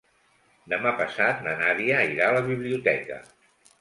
Demà passat na Nàdia irà a la biblioteca.